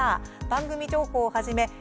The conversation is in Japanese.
番組情報をはじめ